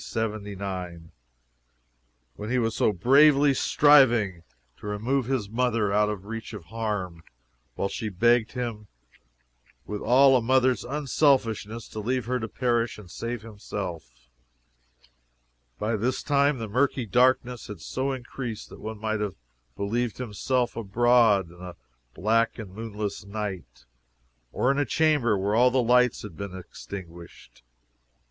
79, when he was so bravely striving to remove his mother out of reach of harm, while she begged him, with all a mother's unselfishness, to leave her to perish and save himself. 'By this time the murky darkness had so increased that one might have believed himself abroad in a black and moonless night, or in a chamber where all the lights had been extinguished.